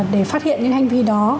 để phát hiện những hành vi đó